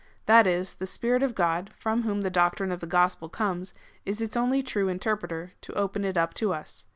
That is, the Spirit of God, from whom the doctrine of the gospel comes, is its only true interpreter, to open it up to us.